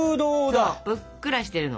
そうぷっくらしてるの。